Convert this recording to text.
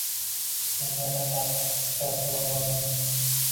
Yuzimga bir tarsaki tushiradigan bo’ldim.